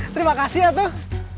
terima kasih ya tuh